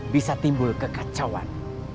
bisa timbul kekacauan